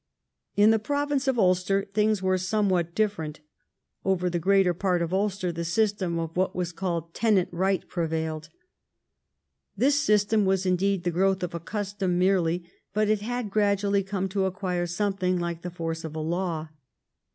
In the province of Ulster things were somewhat different. Over the greater part of Ulster the system of what was called tenant right prevailed. This system was, indeed, the growth of a custom merely, but it had gradually come to acquire something like the force of a law.